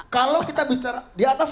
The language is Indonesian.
kalau kita bicara di atas